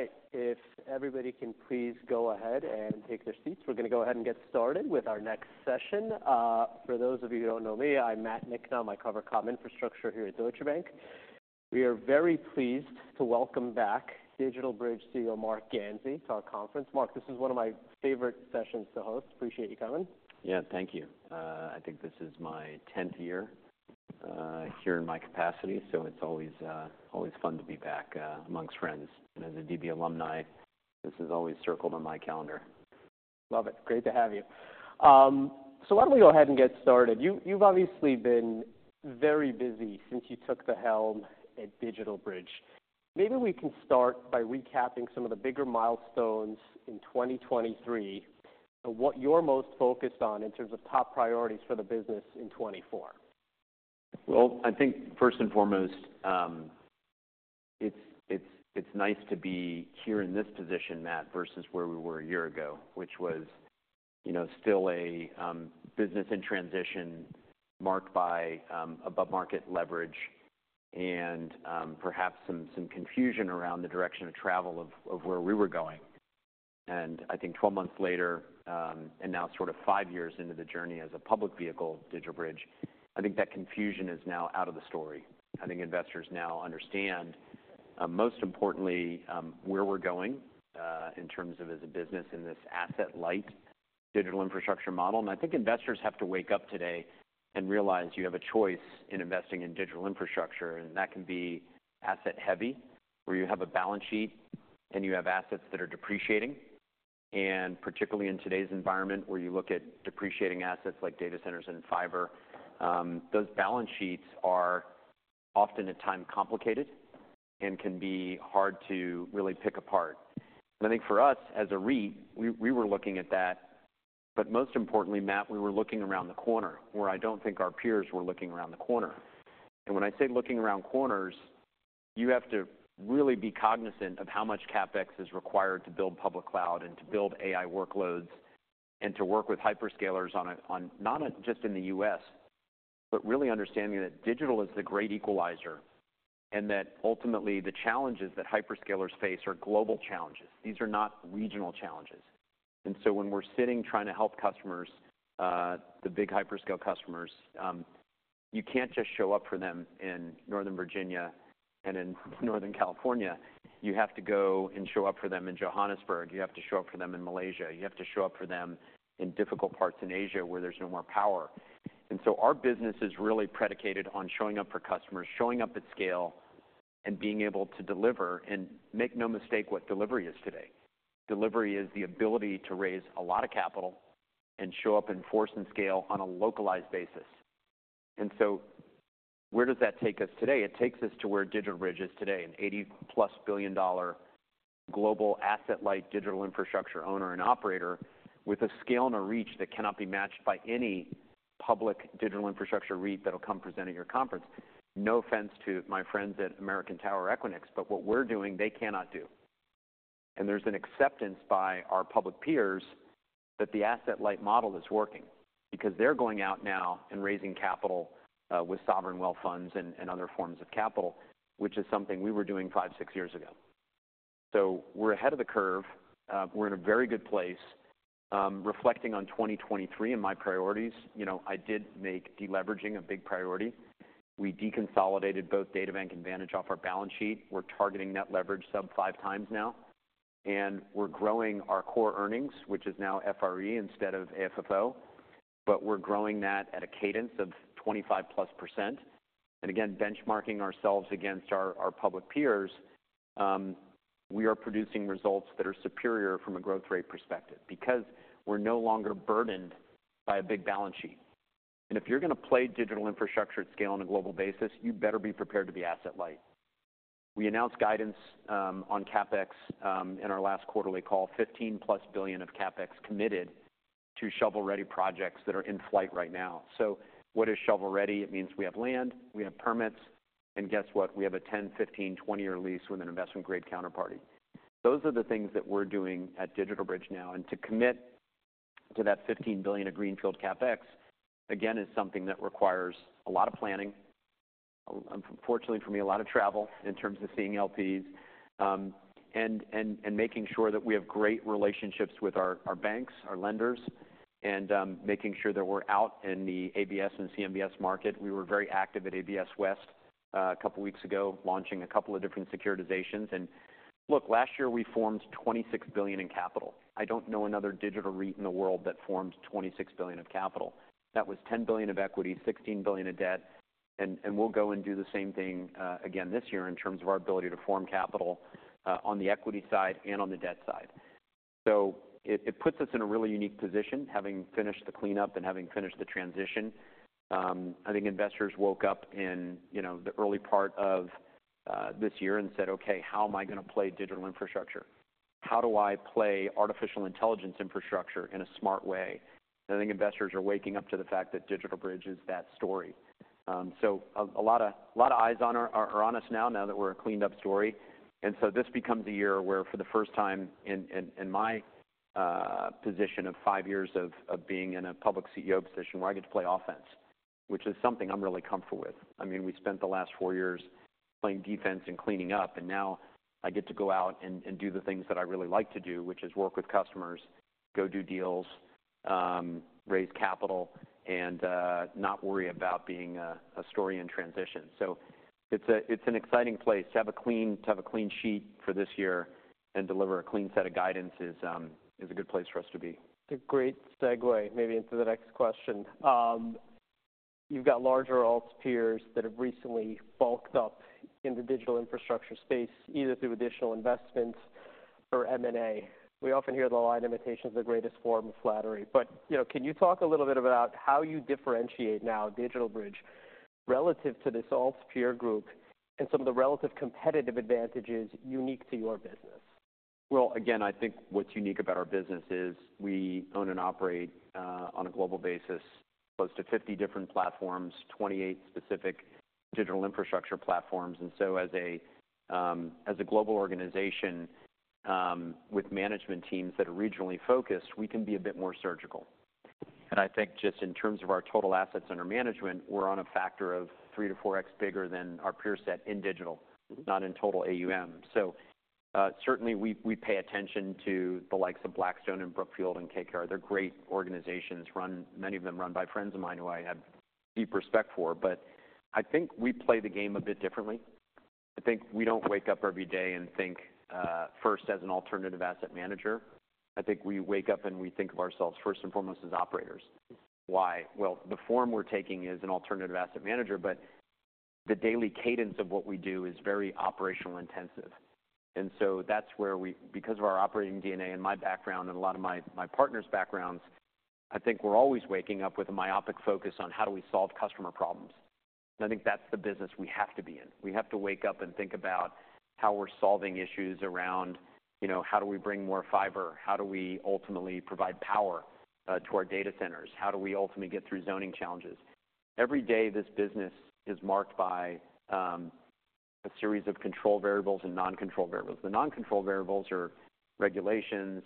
All right. If everybody can please go ahead and take their seats, we're gonna go ahead and get started with our next session. For those of you who don't know me, I'm Matt Niknam. I cover cloud infrastructure here at Deutsche Bank. We are very pleased to welcome back DigitalBridge CEO Marc Ganzi to our conference. Marc, this is one of my favorite sessions to host. Appreciate you coming. Yeah. Thank you. I think this is my 10th year here in my capacity. So it's always, always fun to be back among friends. And as a DB alumni, this has always circled on my calendar. Love it. Great to have you. So why don't we go ahead and get started? You've obviously been very busy since you took the helm at DigitalBridge. Maybe we can start by recapping some of the bigger milestones in 2023 and what you're most focused on in terms of top priorities for the business in 2024. Well, I think first and foremost, it's nice to be here in this position, Matt, versus where we were a year ago, which was, you know, still a business in transition marked by above-market leverage and, perhaps some confusion around the direction of travel of where we were going. I think 12 months later, and now sort of five years into the journey as a public vehicle, DigitalBridge, I think that confusion is now out of the story. I think investors now understand, most importantly, where we're going, in terms of as a business in this asset-light digital infrastructure model. I think investors have to wake up today and realize you have a choice in investing in digital infrastructure. And that can be asset-heavy, where you have a balance sheet and you have assets that are depreciating. Particularly in today's environment, where you look at depreciating assets like data centers and fiber, those balance sheets are often at times complicated and can be hard to really pick apart. And I think for us as a REIT, we were looking at that. But most importantly, Matt, we were looking around the corner, where I don't think our peers were looking around the corner. And when I say looking around corners, you have to really be cognizant of how much CapEx is required to build public cloud and to build AI workloads and to work with hyperscalers on a on not a just in the U.S., but really understanding that digital is the great equalizer and that ultimately the challenges that hyperscalers face are global challenges. These are not regional challenges. And so when we're sitting trying to help customers, the big hyperscale customers, you can't just show up for them in Northern Virginia and in Northern California. You have to go and show up for them in Johannesburg. You have to show up for them in Malaysia. You have to show up for them in difficult parts in Asia where there's no more power. And so our business is really predicated on showing up for customers, showing up at scale, and being able to deliver. And make no mistake, what delivery is today. Delivery is the ability to raise a lot of capital and show up in force and scale on a localized basis. And so where does that take us today? It takes us to where DigitalBridge is today, an $80+ billion global asset-light digital infrastructure owner and operator with a scale and a reach that cannot be matched by any public digital infrastructure REIT that'll come present at your conference. No offense to my friends at American Tower, Equinix, but what we're doing, they cannot do. There's an acceptance by our public peers that the asset-light model is working because they're going out now and raising capital, with sovereign wealth funds and other forms of capital, which is something we were doing five, six years ago. So we're ahead of the curve. We're in a very good place, reflecting on 2023 and my priorities. You know, I did make deleveraging a big priority. We deconsolidated both DataBank and Vantage off our balance sheet. We're targeting net leverage sub-5x now. We're growing our core earnings, which is now FRE instead of AFFO. But we're growing that at a cadence of 25%+. And again, benchmarking ourselves against our public peers, we are producing results that are superior from a growth rate perspective because we're no longer burdened by a big balance sheet. And if you're gonna play digital infrastructure at scale on a global basis, you better be prepared to be asset-light. We announced guidance on CapEx in our last quarterly call, $15 billion+ of CapEx committed to shovel-ready projects that are in flight right now. So what is shovel-ready? It means we have land. We have permits. And guess what? We have a 10-, 15-, 20-year lease with an investment-grade counterparty. Those are the things that we're doing at DigitalBridge now. To commit to that $15 billion of Greenfield CapEx, again, is something that requires a lot of planning, unfortunately for me, a lot of travel in terms of seeing LPs, and making sure that we have great relationships with our banks, our lenders, and making sure that we're out in the ABS and CMBS market. We were very active at ABS West, a couple weeks ago, launching a couple of different securitizations. And look, last year we formed $26 billion in capital. I don't know another digital REIT in the world that formed $26 billion of capital. That was $10 billion of equity, $16 billion of debt. And we'll go and do the same thing, again this year in terms of our ability to form capital, on the equity side and on the debt side. So it puts us in a really unique position, having finished the cleanup and having finished the transition. I think investors woke up in, you know, the early part of this year and said, "Okay. How am I gonna play digital infrastructure? How do I play artificial intelligence infrastructure in a smart way?" And I think investors are waking up to the fact that DigitalBridge is that story. So a lot of eyes on us now, now that we're a cleaned-up story. And so this becomes a year where, for the first time in my position of five years of being in a public CEO position, where I get to play offense, which is something I'm really comfortable with. I mean, we spent the last four years playing defense and cleaning up. And now I get to go out and do the things that I really like to do, which is work with customers, go do deals, raise capital, and not worry about being a story in transition. So it's an exciting place. To have a clean sheet for this year and deliver a clean set of guidance is a good place for us to be. It's a great segue, maybe, into the next question. You've got larger alts peers that have recently bulked up in the digital infrastructure space, either through additional investments or M&A. We often hear the line imitation's the greatest form of flattery. But, you know, can you talk a little bit about how you differentiate now, DigitalBridge, relative to this alts peer group and some of the relative competitive advantages unique to your business? Well, again, I think what's unique about our business is we own and operate, on a global basis close to 50 different platforms, 28 specific digital infrastructure platforms. So as a global organization, with management teams that are regionally focused, we can be a bit more surgical. I think just in terms of our total assets under management, we're on a factor of 3x-4x bigger than our peer set in digital, not in total AUM. Certainly we pay attention to the likes of Blackstone and Brookfield and KKR. They're great organizations, many of them run by friends of mine who I have deep respect for. But I think we play the game a bit differently. I think we don't wake up every day and think, first as an alternative asset manager. I think we wake up and we think of ourselves first and foremost as operators. Why? Well, the form we're taking is an alternative asset manager. But the daily cadence of what we do is very operational intensive. And so that's where we because of our operating DNA and my background and a lot of my partner's backgrounds, I think we're always waking up with a myopic focus on how do we solve customer problems. And I think that's the business we have to be in. We have to wake up and think about how we're solving issues around, you know, how do we bring more fiber? How do we ultimately provide power to our data centers? How do we ultimately get through zoning challenges? Every day, this business is marked by a series of control variables and non-control variables. The non-control variables are regulations.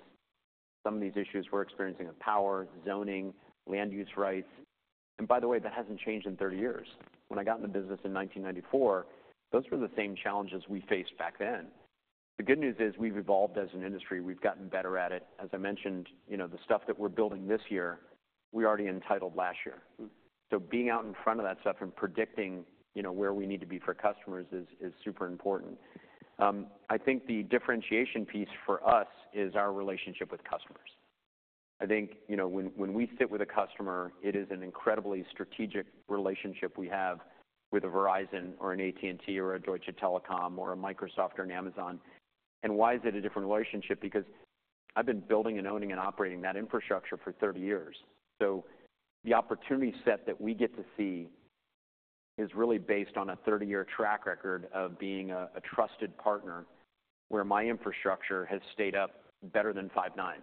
Some of these issues we're experiencing are power, zoning, land use rights. And by the way, that hasn't changed in 30 years. When I got in the business in 1994, those were the same challenges we faced back then. The good news is we've evolved as an industry. We've gotten better at it. As I mentioned, you know, the stuff that we're building this year, we already entitled last year. So being out in front of that stuff and predicting, you know, where we need to be for customers is super important. I think the differentiation piece for us is our relationship with customers. I think, you know, when we sit with a customer, it is an incredibly strategic relationship we have with a Verizon or an AT&T or a Deutsche Telekom or a Microsoft or an Amazon. And why is it a different relationship? Because I've been building and owning and operating that infrastructure for 30 years. So the opportunity set that we get to see is really based on a 30-year track record of being a trusted partner where my infrastructure has stayed up better than five nines.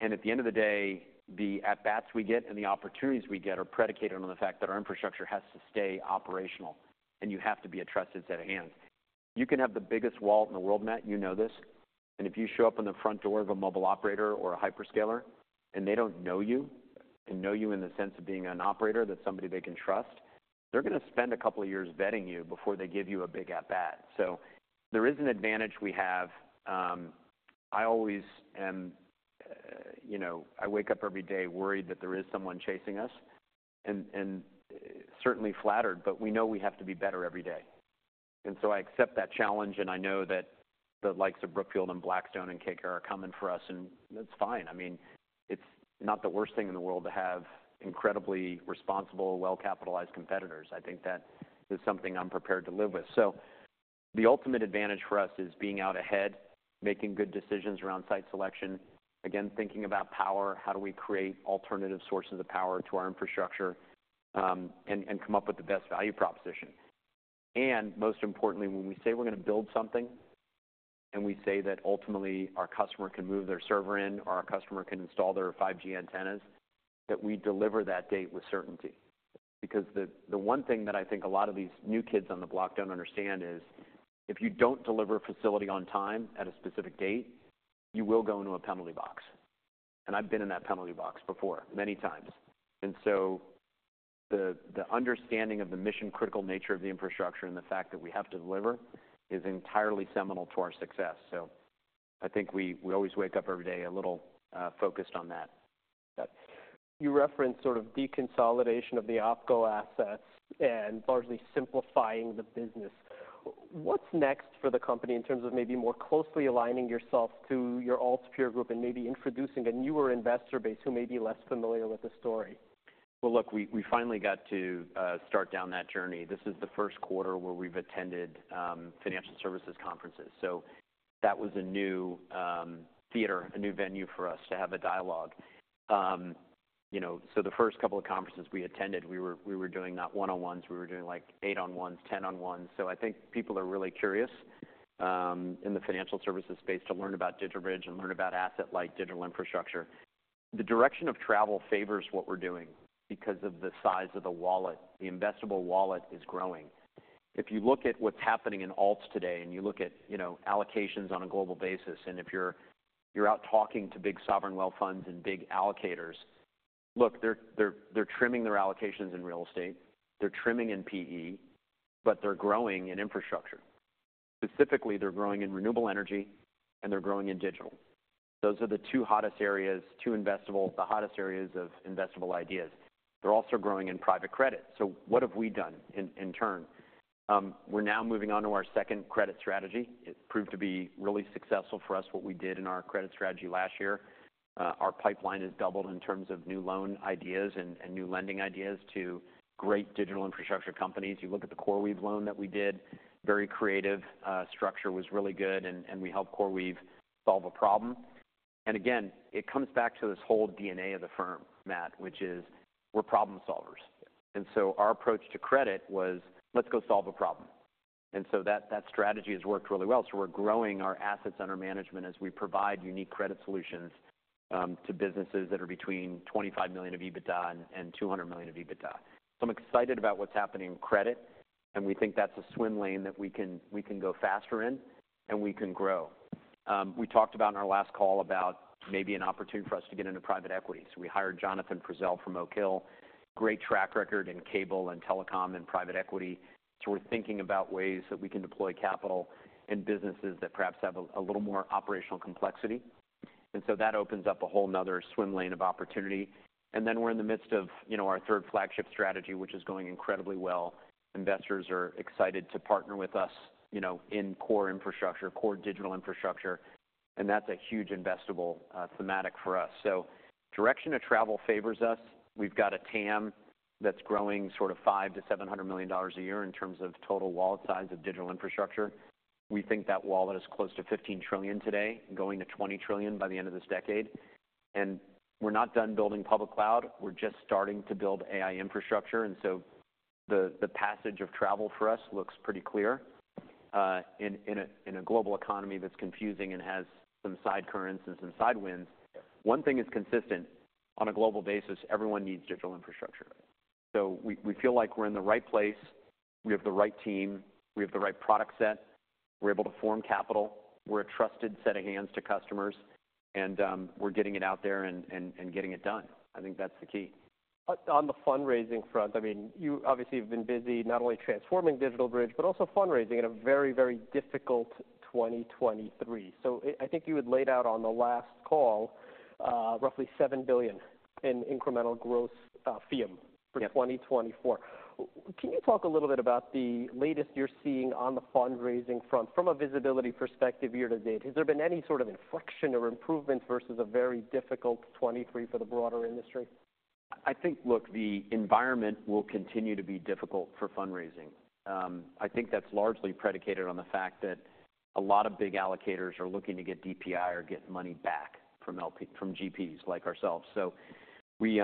And at the end of the day, the at-bats we get and the opportunities we get are predicated on the fact that our infrastructure has to stay operational. And you have to be a trusted set of hands. You can have the biggest wallet in the world, Matt. You know this. And if you show up in the front door of a mobile operator or a hyperscaler and they don't know you and know you in the sense of being an operator, that's somebody they can trust, they're gonna spend a couple of years vetting you before they give you a big at-bat. So there is an advantage we have. I always am, you know, I wake up every day worried that there is someone chasing us and, certainly flattered. But we know we have to be better every day. And so I accept that challenge. And I know that the likes of Brookfield and Blackstone and KKR are coming for us. And that's fine. I mean, it's not the worst thing in the world to have incredibly responsible, well-capitalized competitors. I think that is something I'm prepared to live with. So the ultimate advantage for us is being out ahead, making good decisions around site selection, again, thinking about power, how do we create alternative sources of power to our infrastructure, and come up with the best value proposition. And most importantly, when we say we're gonna build something and we say that ultimately our customer can move their server in or our customer can install their 5G antennas, that we deliver that date with certainty. Because the one thing that I think a lot of these new kids on the block don't understand is if you don't deliver a facility on time at a specific date, you will go into a penalty box. And I've been in that penalty box before, many times. And so the understanding of the mission-critical nature of the infrastructure and the fact that we have to deliver is entirely seminal to our success. So I think we always wake up every day a little, focused on that. You referenced sort of deconsolidation of the opco assets and largely simplifying the business. What's next for the company in terms of maybe more closely aligning yourself to your alts peer group and maybe introducing a newer investor base who may be less familiar with the story? Well, look, we finally got to start down that journey. This is the first quarter where we've attended financial services conferences. So that was a new theater, a new venue for us to have a dialogue, you know, so the first couple of conferences we attended, we were doing not one-on-ones. We were doing, like, eight-on-ones, 10-on-ones. So I think people are really curious in the financial services space to learn about DigitalBridge and learn about asset-light digital infrastructure. The direction of travel favors what we're doing because of the size of the wallet. The investable wallet is growing. If you look at what's happening in alts today and you look at, you know, allocations on a global basis and if you're out talking to big sovereign wealth funds and big allocators, look, they're trimming their allocations in real estate. They're trimming in PE. But they're growing in infrastructure. Specifically, they're growing in renewable energy. They're growing in digital. Those are the two hottest areas, two investable, the hottest areas of investable ideas. They're also growing in private credit. So what have we done in turn? We're now moving on to our second credit strategy. It proved to be really successful for us, what we did in our credit strategy last year. Our pipeline has doubled in terms of new loan ideas and new lending ideas to great digital infrastructure companies. You look at the CoreWeave loan that we did. Very creative. Structure was really good. And we helped CoreWeave solve a problem. And again, it comes back to this whole DNA of the firm, Matt, which is we're problem solvers. Our approach to credit was, "Let's go solve a problem." That strategy has worked really well. We're growing our assets under management as we provide unique credit solutions to businesses that are between $25 million of EBITDA and $200 million of EBITDA. I'm excited about what's happening in credit. We think that's a swim lane that we can go faster in. We can grow. We talked about in our last call about maybe an opportunity for us to get into private equity. We hired Jonathan Frazelle from Oak Hill. Great track record in cable and telecom and private equity. We're thinking about ways that we can deploy capital in businesses that perhaps have a little more operational complexity. That opens up a whole nother swim lane of opportunity. And then we're in the midst of, you know, our third flagship strategy, which is going incredibly well. Investors are excited to partner with us, you know, in core infrastructure, core digital infrastructure. And that's a huge investable, thematic for us. So direction of travel favors us. We've got a TAM that's growing sort of $500 million-$700 million a year in terms of total wallet size of digital infrastructure. We think that wallet is close to $15 trillion today, going to $20 trillion by the end of this decade. And we're not done building public cloud. We're just starting to build AI infrastructure. And so the passage of travel for us looks pretty clear. In a global economy that's confusing and has some side currents and some side winds, one thing is consistent. On a global basis, everyone needs digital infrastructure. So we feel like we're in the right place. We have the right team. We have the right product set. We're able to form capital. We're a trusted set of hands to customers. And, we're getting it out there and getting it done. I think that's the key. On the fundraising front, I mean, you obviously have been busy not only transforming DigitalBridge but also fundraising in a very, very difficult 2023. So I think you had laid out on the last call, roughly $7 billion in incremental gross FEEUM for 2024. Yes. W, can you talk a little bit about the latest you're seeing on the fundraising front from a visibility perspective year to date? Has there been any sort of inflection or improvements versus a very difficult 2023 for the broader industry? I think, look, the environment will continue to be difficult for fundraising. I think that's largely predicated on the fact that a lot of big allocators are looking to get DPI or get money back from LP from GPs like ourselves. So we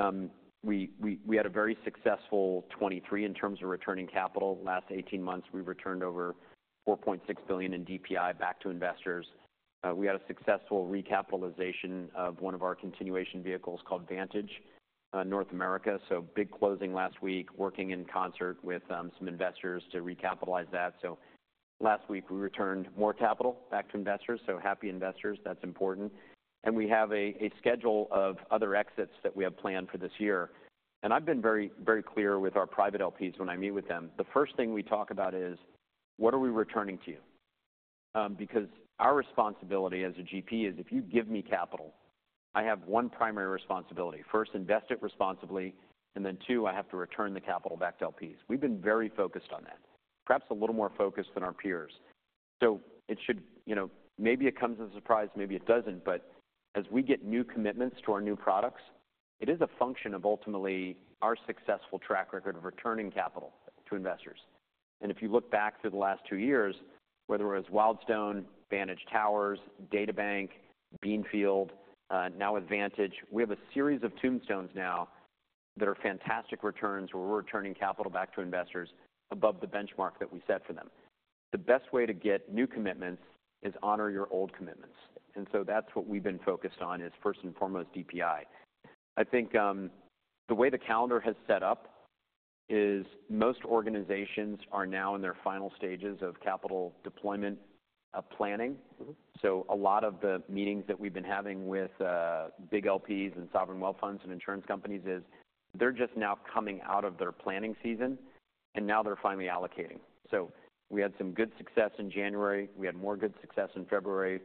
had a very successful 2023 in terms of returning capital. Last 18 months, we returned over $4.6 billion in DPI back to investors. We had a successful recapitalization of one of our continuation vehicles called Vantage, North America. So big closing last week, working in concert with some investors to recapitalize that. So last week, we returned more capital back to investors. So happy investors. That's important. And we have a schedule of other exits that we have planned for this year. And I've been very very clear with our private LPs when I meet with them. The first thing we talk about is, "What are we returning to you?" because our responsibility as a GP is if you give me capital, I have one primary responsibility. First, invest it responsibly. And then, two, I have to return the capital back to LPs. We've been very focused on that, perhaps a little more focused than our peers. So it should, you know, maybe it comes as a surprise. Maybe it doesn't. But as we get new commitments to our new products, it is a function of ultimately our successful track record of returning capital to investors. And if you look back through the last two years, whether it was Wildstone, Vantage Towers, DataBank, Beanfield, now with Vantage, we have a series of tombstones now that are fantastic returns where we're returning capital back to investors above the benchmark that we set for them. The best way to get new commitments is honor your old commitments. And so that's what we've been focused on is first and foremost DPI. I think, the way the calendar has set up is most organizations are now in their final stages of capital deployment, planning. Mm-hmm. So a lot of the meetings that we've been having with big LPs and sovereign wealth funds and insurance companies is they're just now coming out of their planning season. And now they're finally allocating. So we had some good success in January. We had more good success in February.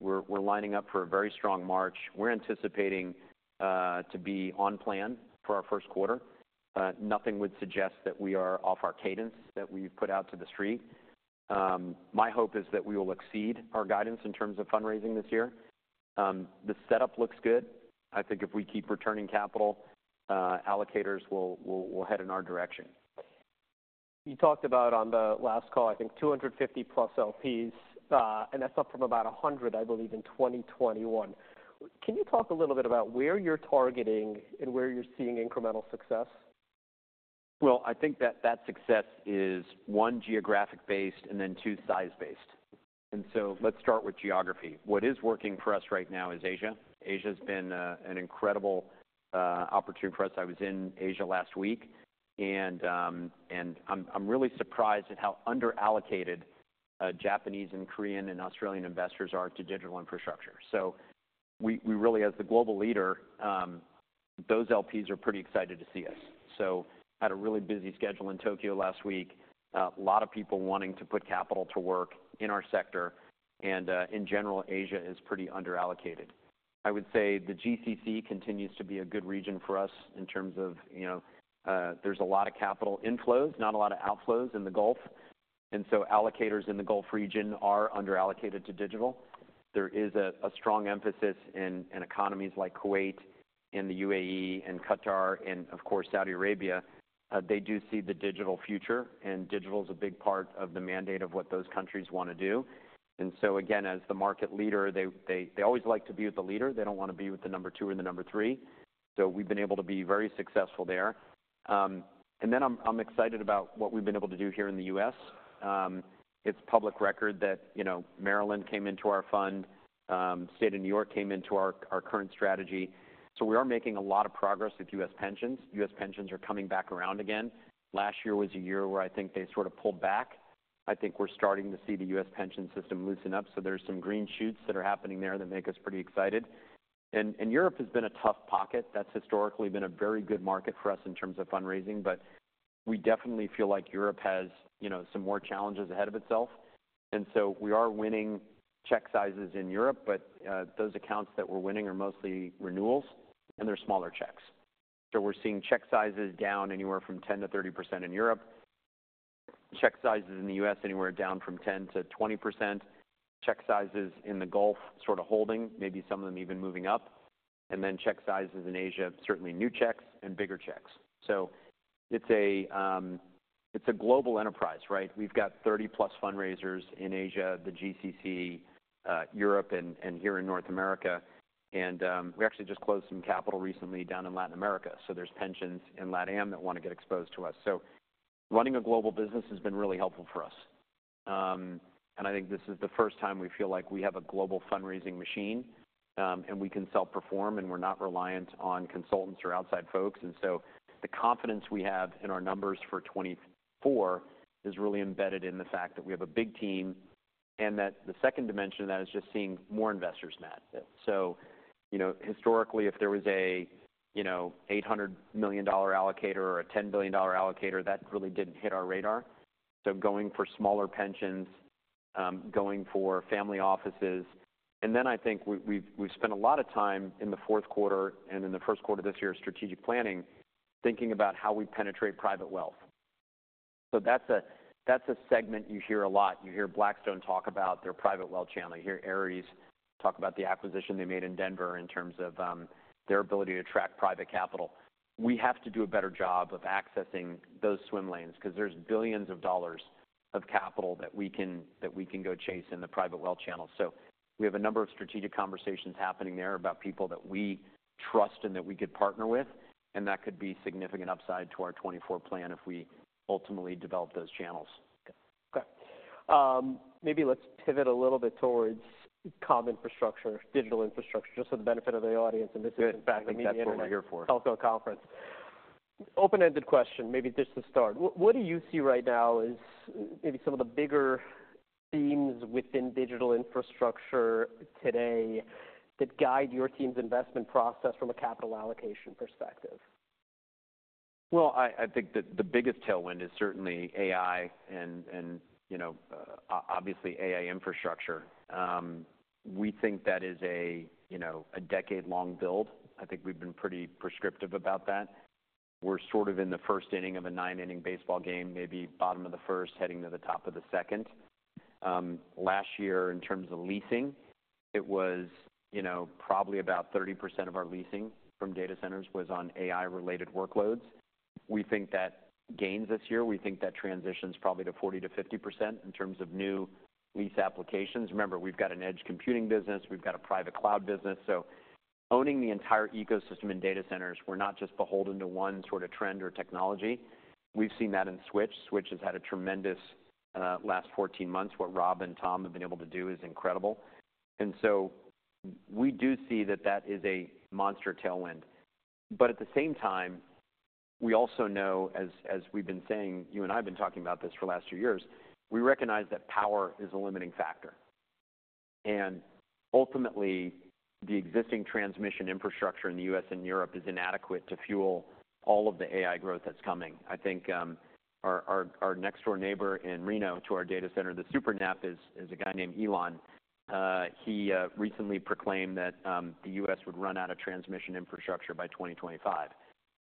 We're lining up for a very strong March. We're anticipating to be on plan for our first quarter. Nothing would suggest that we are off our cadence that we've put out to the street. My hope is that we will exceed our guidance in terms of fundraising this year. The setup looks good. I think if we keep returning capital, allocators will head in our direction. You talked about, on the last call, I think, 250+ LPs, and that's up from about 100, I believe, in 2021. Well, can you talk a little bit about where you're targeting and where you're seeing incremental success? Well, I think that success is, one, geographic-based and then, two, size-based. So let's start with geography. What is working for us right now is Asia. Asia's been an incredible opportunity for us. I was in Asia last week. And I'm really surprised at how underallocated Japanese and Korean and Australian investors are to digital infrastructure. So we really, as the global leader, those LPs are pretty excited to see us. So had a really busy schedule in Tokyo last week, a lot of people wanting to put capital to work in our sector. And in general, Asia is pretty underallocated. I would say the GCC continues to be a good region for us in terms of, you know, there's a lot of capital inflows, not a lot of outflows in the Gulf. And so allocators in the Gulf region are underallocated to digital. There is a strong emphasis in economies like Kuwait and the UAE and Qatar and, of course, Saudi Arabia. They do see the digital future. And digital's a big part of the mandate of what those countries wanna do. And so again, as the market leader, they always like to be with the leader. They don't wanna be with the number two or the number three. So we've been able to be very successful there. And then I'm excited about what we've been able to do here in the U.S. It's public record that, you know, Maryland came into our fund. State of New York came into our current strategy. So we are making a lot of progress with U.S. pensions. U.S. pensions are coming back around again. Last year was a year where I think they sort of pulled back. I think we're starting to see the U.S. pension system loosen up. So there's some green shoots that are happening there that make us pretty excited. And Europe has been a tough pocket. That's historically been a very good market for us in terms of fundraising. But we definitely feel like Europe has, you know, some more challenges ahead of itself. And so we are winning check sizes in Europe. But, those accounts that we're winning are mostly renewals. And they're smaller checks. So we're seeing check sizes down anywhere from 10%-30% in Europe. Check sizes in the U.S. anywhere down from 10%-20%. Check sizes in the Gulf sort of holding, maybe some of them even moving up. And then check sizes in Asia, certainly new checks and bigger checks. So it's a, it's a global enterprise, right? We've got 30+ fundraisers in Asia, the GCC, Europe, and here in North America. We actually just closed some capital recently down in Latin America. So there's pensions in LatAm that wanna get exposed to us. So running a global business has been really helpful for us. I think this is the first time we feel like we have a global fundraising machine, and we can self-perform. We're not reliant on consultants or outside folks. So the confidence we have in our numbers for 2024 is really embedded in the fact that we have a big team and that the second dimension of that is just seeing more investors, Matt. So, you know, historically, if there was a, you know, $800 million allocator or a $10 billion allocator, that really didn't hit our radar. So going for smaller pensions, going for family offices. And then I think we've spent a lot of time in the fourth quarter and in the first quarter this year of strategic planning thinking about how we penetrate private wealth. So that's a segment you hear a lot. You hear Blackstone talk about their private wealth channel. You hear Ares talk about the acquisition they made in Denver in terms of their ability to attract private capital. We have to do a better job of accessing those swim lanes 'cause there's billions of dollars of capital that we can go chase in the private wealth channels. So we have a number of strategic conversations happening there about people that we trust and that we could partner with. And that could be significant upside to our 2024 plan if we ultimately develop those channels. Okay. Okay. Maybe let's pivot a little bit towards cloud infrastructure, digital infrastructure, just for the benefit of the audience. And this is, in fact, a media interview. I think that's what we're here for. Telco conference. Open-ended question, maybe just to start. What do you see right now as, maybe some of the bigger themes within digital infrastructure today that guide your team's investment process from a capital allocation perspective? Well, I think that the biggest tailwind is certainly AI and, you know, obviously AI infrastructure. We think that is a, you know, a decade-long build. I think we've been pretty prescriptive about that. We're sort of in the first inning of a nine-inning baseball game, maybe bottom of the first heading to the top of the second. Last year, in terms of leasing, it was, you know, probably about 30% of our leasing from data centers was on AI-related workloads. We think that gains us here. We think that transitions probably to 40%-50% in terms of new lease applications. Remember, we've got an edge computing business. We've got a private cloud business. So owning the entire ecosystem in data centers, we're not just beholden to one sort of trend or technology. We've seen that in Switch. Switch has had a tremendous last 14 months. What Rob and Tom have been able to do is incredible. And so we do see that that is a monster tailwind. But at the same time, we also know, as we've been saying, you and I have been talking about this for the last two years, we recognize that power is a limiting factor. And ultimately, the existing transmission infrastructure in the U.S. and Europe is inadequate to fuel all of the AI growth that's coming. I think, our next-door neighbor in Reno to our data center, the SUPERNAP, is a guy named Elon. He recently proclaimed that the U.S. would run out of transmission infrastructure by 2025.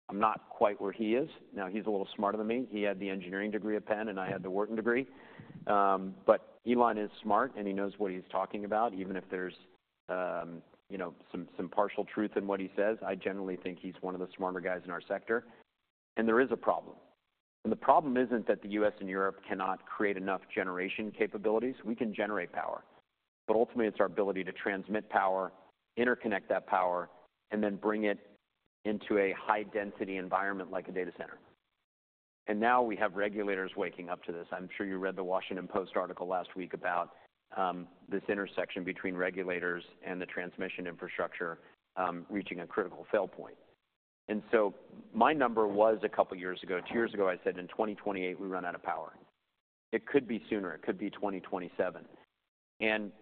I'm not quite where he is. Now, he's a little smarter than me. He had the engineering degree at Penn and I had the Wharton degree. But Elon is smart. He knows what he's talking about. Even if there's, you know, some partial truth in what he says, I generally think he's one of the smarter guys in our sector. There is a problem. The problem isn't that the U.S. and Europe cannot create enough generation capabilities. We can generate power. But ultimately, it's our ability to transmit power, interconnect that power, and then bring it into a high-density environment like a data center. Now we have regulators waking up to this. I'm sure you read the Washington Post article last week about this intersection between regulators and the transmission infrastructure, reaching a critical fail point. My number was a couple years ago. Two years ago, I said, "In 2028, we run out of power." It could be sooner. It could be 2027.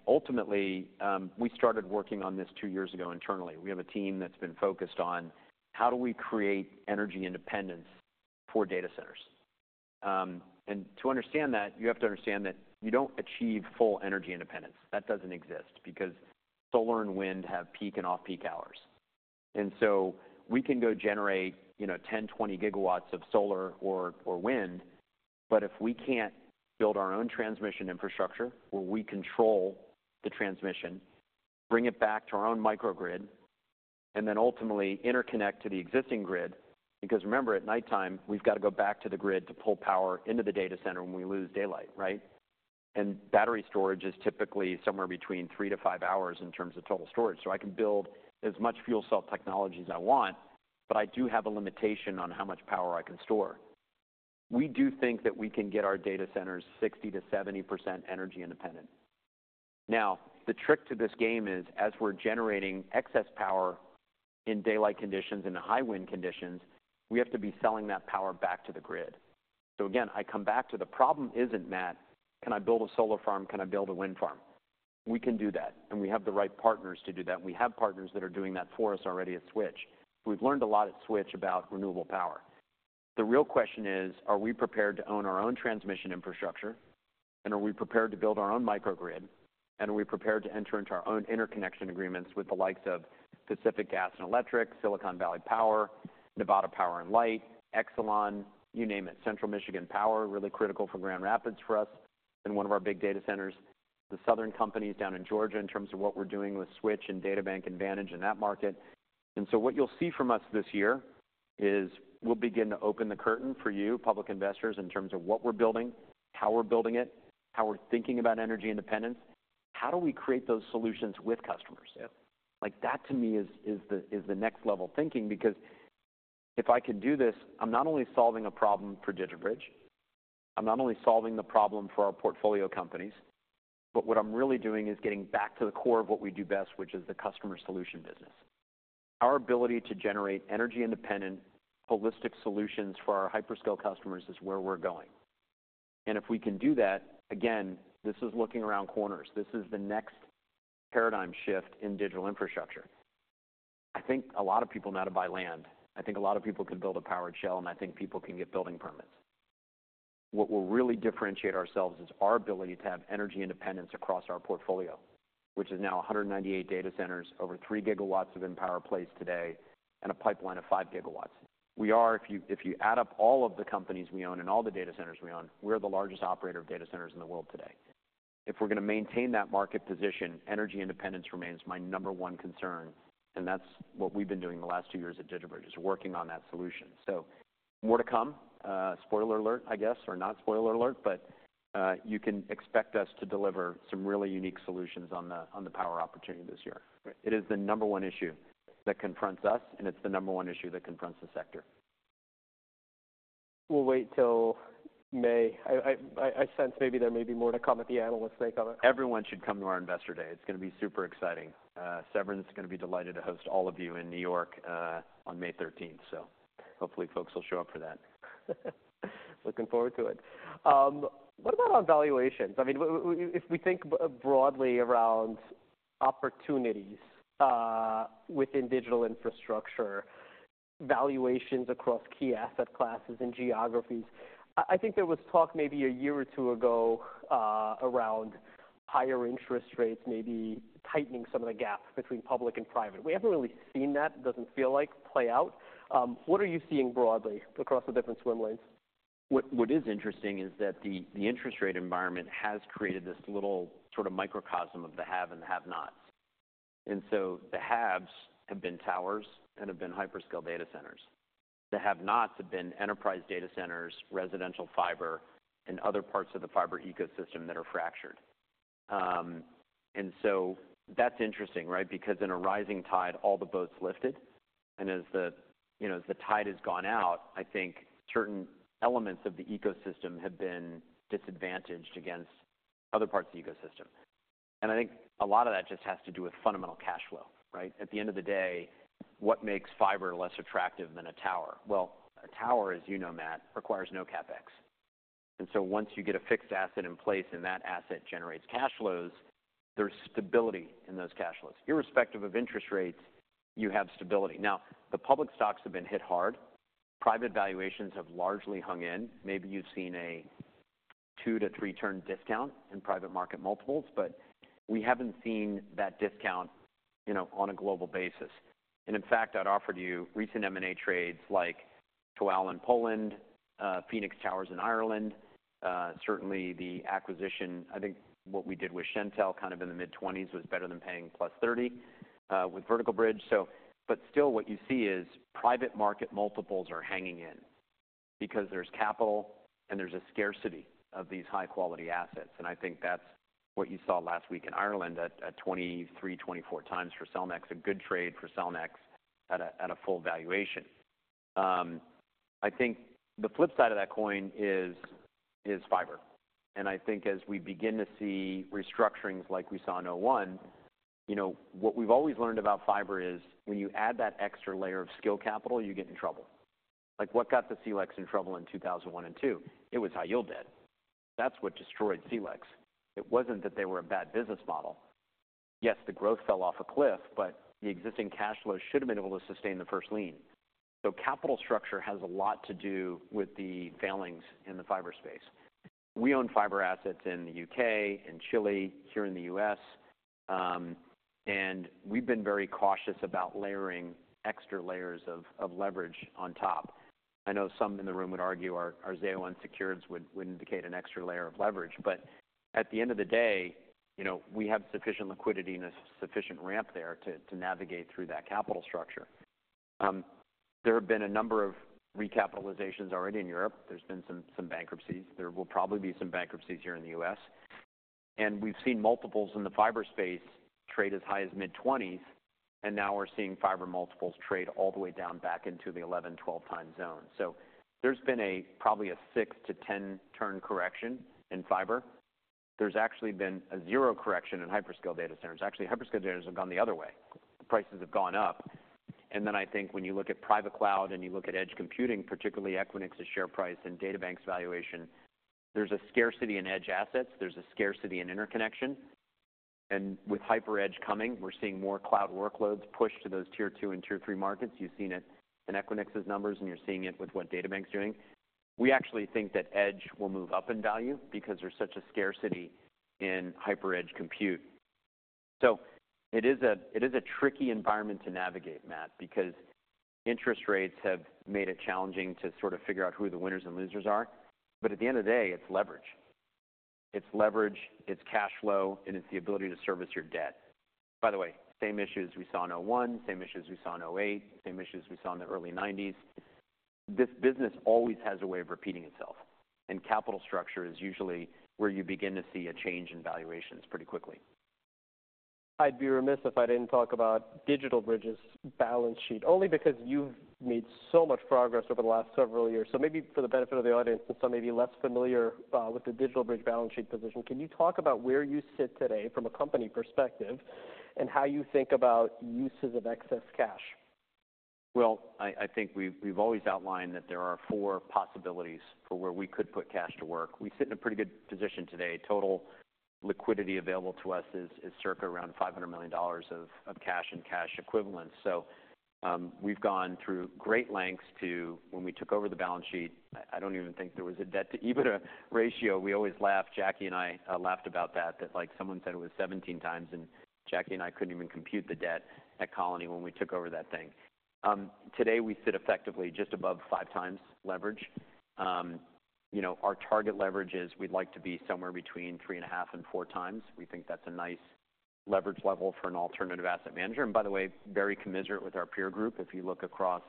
Ultimately, we started working on this two years ago internally. We have a team that's been focused on how do we create energy independence for data centers. To understand that, you have to understand that you don't achieve full energy independence. That doesn't exist because solar and wind have peak and off-peak hours. So we can go generate, you know, 10, 20 GW of solar or wind. But if we can't build our own transmission infrastructure where we control the transmission, bring it back to our own microgrid, and then ultimately interconnect to the existing grid because remember, at nighttime, we've gotta go back to the grid to pull power into the data center when we lose daylight, right? Battery storage is typically somewhere between 3-5 hours in terms of total storage. So I can build as much fuel cell technology as I want. But I do have a limitation on how much power I can store. We do think that we can get our data centers 60%-70% energy independent. Now, the trick to this game is, as we're generating excess power in daylight conditions and in high-wind conditions, we have to be selling that power back to the grid. So again, I come back to the problem isn't, "Matt, can I build a solar farm? Can I build a wind farm?" We can do that. And we have the right partners to do that. And we have partners that are doing that for us already at Switch. We've learned a lot at Switch about renewable power. The real question is, are we prepared to own our own transmission infrastructure? And are we prepared to build our own microgrid? Are we prepared to enter into our own interconnection agreements with the likes of Pacific Gas & Electric, Silicon Valley Power, Nevada Power & Light, Exelon, you name it, Central Michigan Power, really critical for Grand Rapids for us and one of our big data centers, the Southern Company down in Georgia in terms of what we're doing with Switch and DataBank and Vantage in that market? And so what you'll see from us this year is we'll begin to open the curtain for you, public investors, in terms of what we're building, how we're building it, how we're thinking about energy independence, how do we create those solutions with customers. Yeah. Like, that to me is the next level thinking because if I can do this, I'm not only solving a problem for DigitalBridge. I'm not only solving the problem for our portfolio companies. But what I'm really doing is getting back to the core of what we do best, which is the customer solution business. Our ability to generate energy independent, holistic solutions for our hyperscale customers is where we're going. And if we can do that, again, this is looking around corners. This is the next paradigm shift in digital infrastructure. I think a lot of people know how to buy land. I think a lot of people can build a powered shell. And I think people can get building permits. What will really differentiate ourselves is our ability to have energy independence across our portfolio, which is now 198 data centers, over 3 GW of in-power place today, and a pipeline of 5 GW. We are, if you add up all of the companies we own and all the data centers we own, we're the largest operator of data centers in the world today. If we're gonna maintain that market position, energy independence remains my number one concern. That's what we've been doing the last two years at DigitalBridge, is working on that solution. So more to come. Spoiler alert, I guess, or not spoiler alert. But you can expect us to deliver some really unique solutions on the power opportunity this year. Right. It is the number one issue that confronts us. It's the number one issue that confronts the sector. We'll wait till May. I sense maybe there may be more to come at the analysts' day coming. Everyone should come to our investor day. It's gonna be super exciting. Severin's gonna be delighted to host all of you in New York, on May 13th. So hopefully, folks will show up for that. Looking forward to it. What about on valuations? I mean, what if we think broadly around opportunities, within digital infrastructure, valuations across key asset classes and geographies, I think there was talk maybe a year or two ago, around higher interest rates maybe tightening some of the gap between public and private. We haven't really seen that, doesn't feel like, play out. What are you seeing broadly across the different swim lanes? What is interesting is that the interest rate environment has created this little sort of microcosm of the have and the have-nots. And so the haves have been towers and have been hyperscale data centers. The have-nots have been enterprise data centers, residential fiber, and other parts of the fiber ecosystem that are fractured. So that's interesting, right, because in a rising tide, all the boats lifted. And as you know, as the tide has gone out, I think certain elements of the ecosystem have been disadvantaged against other parts of the ecosystem. And I think a lot of that just has to do with fundamental cash flow, right? At the end of the day, what makes fiber less attractive than a tower? Well, a tower, as you know, Matt, requires no CapEx. And so once you get a fixed asset in place and that asset generates cash flows, there's stability in those cash flows. Irrespective of interest rates, you have stability. Now, the public stocks have been hit hard. Private valuations have largely hung in. Maybe you've seen a two- to three-turn discount in private market multiples. But we haven't seen that discount, you know, on a global basis. And in fact, I'd offered you recent M&A trades like Towerlink in Poland, Phoenix Towers in Ireland, certainly the acquisition I think what we did with Shentel kind of in the mid-20s was better than paying 30+, with Vertical Bridge. So but still, what you see is private market multiples are hanging in because there's capital. And there's a scarcity of these high-quality assets. I think that's what you saw last week in Ireland at 23x-24x for Cellnex, a good trade for Cellnex at a full valuation. I think the flip side of that coin is fiber. I think as we begin to see restructurings like we saw in 2001, you know, what we've always learned about fiber is when you add that extra layer of skilled capital, you get in trouble. Like, what got the CLECs in trouble in 2001 and 2002? It was high-yield debt. That's what destroyed CLECs. It wasn't that they were a bad business model. Yes, the growth fell off a cliff. But the existing cash flow should have been able to sustain the first lien. So capital structure has a lot to do with the failings in the fiber space. We own fiber assets in the U.K., in Chile, here in the U.S., and we've been very cautious about layering extra layers of leverage on top. I know some in the room would argue our Zayo Secureds would indicate an extra layer of leverage. But at the end of the day, you know, we have sufficient liquidity and a sufficient ramp there to navigate through that capital structure. There have been a number of recapitalizations already in Europe. There's been some bankruptcies. There will probably be some bankruptcies here in the U.S. And we've seen multiples in the fiber space trade as high as mid-20s. And now we're seeing fiber multiples trade all the way down back into the 11-12x zone. So there's been probably a six to 10-turn correction in fiber. There's actually been a zero correction in hyperscale data centers. Actually, hyperscale data centers have gone the other way. Prices have gone up. And then I think when you look at private cloud and you look at edge computing, particularly Equinix's share price and DataBank's valuation, there's a scarcity in edge assets. There's a scarcity in interconnection. And with hyper-edge coming, we're seeing more cloud workloads pushed to those tier two and tier three markets. You've seen it in Equinix's numbers. And you're seeing it with what DataBank's doing. We actually think that edge will move up in value because there's such a scarcity in hyper-edge compute. So it is a tricky environment to navigate, Matt, because interest rates have made it challenging to sort of figure out who the winners and losers are. But at the end of the day, it's leverage. It's leverage. It's cash flow. And it's the ability to service your debt. By the way, same issues we saw in 2001, same issues we saw in 2008, same issues we saw in the early 1990s. This business always has a way of repeating itself. Capital structure is usually where you begin to see a change in valuations pretty quickly. I'd be remiss if I didn't talk about DigitalBridge's balance sheet only because you've made so much progress over the last several years. So maybe for the benefit of the audience and some maybe less familiar, with the DigitalBridge balance sheet position, can you talk about where you sit today from a company perspective and how you think about uses of excess cash? Well, I think we've always outlined that there are four possibilities for where we could put cash to work. We sit in a pretty good position today. Total liquidity available to us is circa around $500 million of cash and cash equivalent. So, we've gone through great lengths to when we took over the balance sheet, I don't even think there was a debt to EBITDA ratio. We always laughed, Jacky and I, laughed about that, like, someone said it was 17x. And Jacky and I couldn't even compute the debt at Colony when we took over that thing. Today, we sit effectively just above 5x leverage. You know, our target leverage is we'd like to be somewhere between 3.5x and 4x. We think that's a nice leverage level for an alternative asset manager. And by the way, very commensurate with our peer group if you look across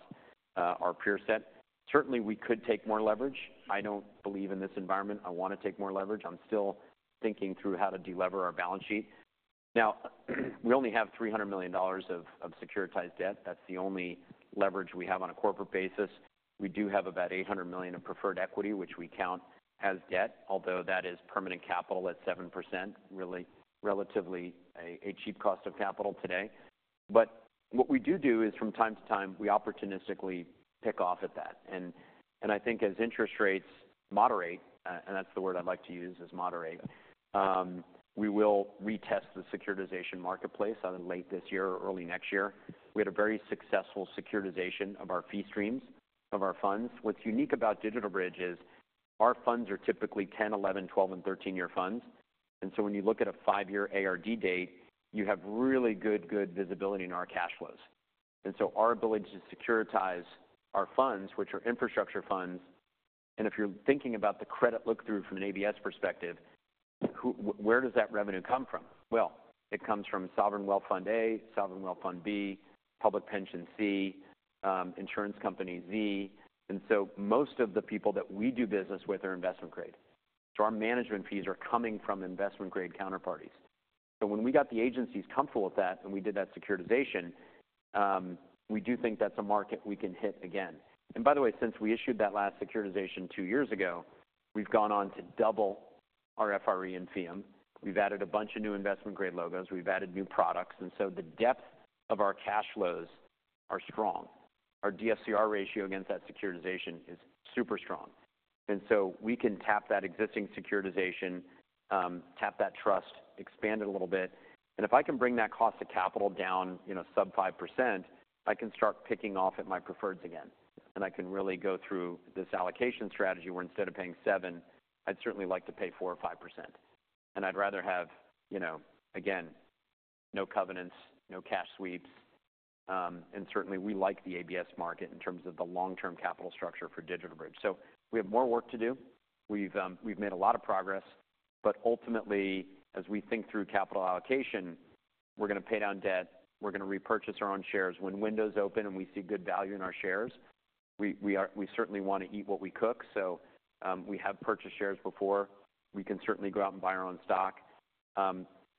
our peer set. Certainly, we could take more leverage. I don't believe in this environment. I wanna take more leverage. I'm still thinking through how to delever our balance sheet. Now, we only have $300 million of securitized debt. That's the only leverage we have on a corporate basis. We do have about $800 million of preferred equity, which we count as debt, although that is permanent capital at 7%, really relatively a cheap cost of capital today. But what we do is from time to time, we opportunistically pick off at that. And I think as interest rates moderate, and that's the word I'd like to use, is moderate, we will retest the securitization marketplace either late this year or early next year. We had a very successful securitization of our fee streams, of our funds. What's unique about DigitalBridge is our funds are typically 10-, 11-, 12-, and 13-year funds. And so when you look at a five-year ARD date, you have really good, good visibility in our cash flows. And so our ability to securitize our funds, which are infrastructure funds. And if you're thinking about the credit look-through from an ABS perspective, where does that revenue come from? Well, it comes from Sovereign Wealth Fund A, Sovereign Wealth Fund B, Public Pension C, Insurance Company Z. And so most of the people that we do business with are investment-grade. So our management fees are coming from investment-grade counterparties. So when we got the agencies comfortable with that and we did that securitization, we do think that's a market we can hit again. And by the way, since we issued that last securitization two years ago, we've gone on to double our FRE and FEEUM. We've added a bunch of new investment-grade logos. We've added new products. And so the depth of our cash flows are strong. Our DSCR ratio against that securitization is super strong. And so we can tap that existing securitization, tap that trust, expand it a little bit. And if I can bring that cost of capital down, you know, sub 5%, I can start picking off at my preferreds again. And I can really go through this allocation strategy where instead of paying 7%, I'd certainly like to pay 4% or 5%. And I'd rather have, you know, again, no covenants, no cash sweeps. And certainly, we like the ABS market in terms of the long-term capital structure for DigitalBridge. So we have more work to do. We've made a lot of progress. But ultimately, as we think through capital allocation, we're gonna pay down debt. We're gonna repurchase our own shares. When windows open and we see good value in our shares, we certainly wanna eat what we cook. So, we have purchased shares before. We can certainly go out and buy our own stock.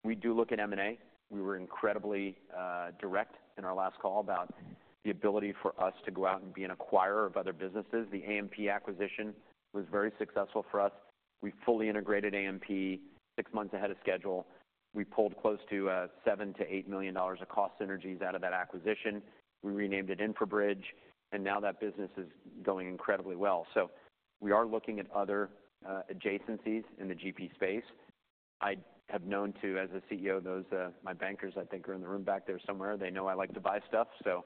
We do look at M&A. We were incredibly direct in our last call about the ability for us to go out and be an acquirer of other businesses. The AMP acquisition was very successful for us. We fully integrated AMP six months ahead of schedule. We pulled close to $7 million-$8 million of cost synergies out of that acquisition. We renamed it InfraBridge. And now that business is going incredibly well. So we are looking at other adjacencies in the GP space. I have known to, as a CEO, those my bankers, I think, are in the room back there somewhere. They know I like to buy stuff. So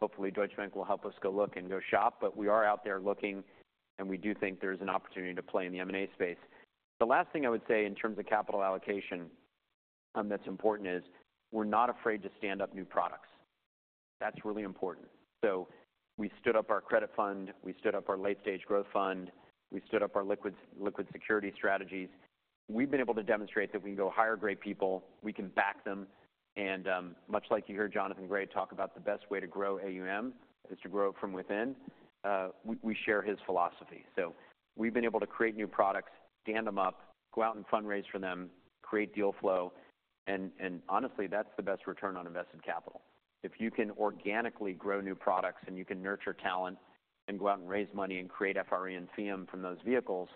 hopefully, Deutsche Bank will help us go look and go shop. But we are out there looking. And we do think there's an opportunity to play in the M&A space. The last thing I would say in terms of capital allocation, that's important, is we're not afraid to stand up new products. That's really important. So we stood up our credit fund. We stood up our late-stage growth fund. We stood up our liquids liquid security strategies. We've been able to demonstrate that we can go hire great people. We can back them. Much like you hear Jonathan Gray talk about the best way to grow AUM is to grow it from within, we share his philosophy. So we've been able to create new products, stand them up, go out and fundraise for them, create deal flow. And honestly, that's the best return on invested capital. If you can organically grow new products and you can nurture talent and go out and raise money and create FRE and FEEUM from those vehicles,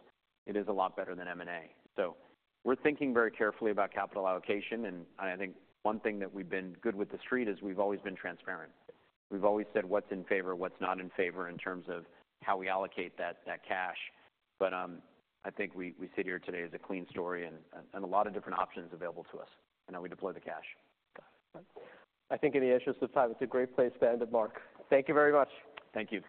it is a lot better than M&A. So we're thinking very carefully about capital allocation. And I think one thing that we've been good with the street is we've always been transparent. We've always said what's in favor, what's not in favor in terms of how we allocate that cash. But, I think we sit here today as a clean story and a lot of different options available to us and how we deploy the cash. Got it. I think any issues with time. It's a great place to end it, Marc. Thank you very much. Thank you.